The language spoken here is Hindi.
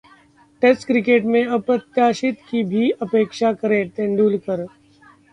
टेस्ट क्रिकेट में अप्रत्याशित की भी अपेक्षा करें: तेंदुलकर